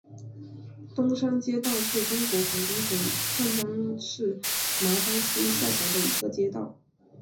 东山街道是中国广东省湛江市麻章区下辖的一个街道。